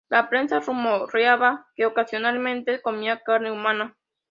La prensa rumoreaba que ocasionalmente comía carne humana.